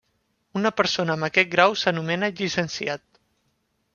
Una persona amb aquest grau s'anomena llicenciat.